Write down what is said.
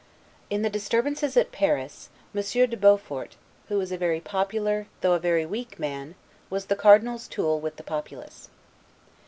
In the disturbances at Paris, Monsieur de Beaufort, who was a very popular, though a very weak man, was the Cardinal's tool with the populace.